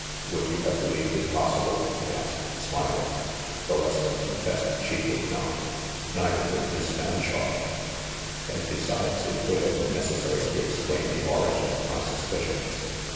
"Would you have Relieved it possible?" he asked smiling. Valeska confessed she would not. "Neither would Miss Fanshawe. And b'esides, it would have been necessary to explain the origin of my suspicions.